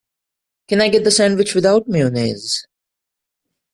Can I get the sandwich without mayonnaise?